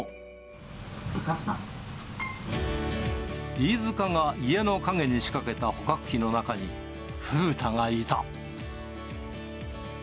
飯塚が家の陰に仕掛けた捕獲器の中に、ふうたがいた。